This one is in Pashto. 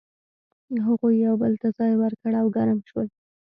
هغوی یو بل ته ځای ورکړ او ګرم شول.